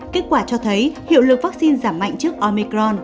kết quả cho thấy hiệu lượng vaccine giảm mạnh trước omicron